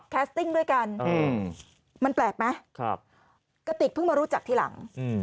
แคสติ้งด้วยกันอืมมันแปลกไหมครับกะติกเพิ่งมารู้จักทีหลังอืม